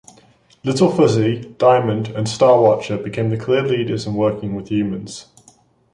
Little Fuzzy, Diamond, and Starwatcher become the clear leaders in working with humans.